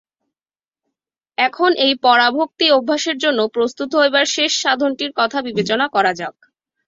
এখন এই পরাভক্তি-অভ্যাসের জন্য প্রস্তুত হইবার শেষ সাধনটির কথা বিবেচনা করা যাক।